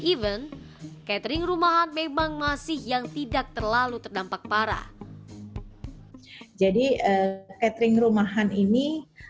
event catering rumahan memang masih yang tidak terlalu terdampak parah jadi catering rumahan ini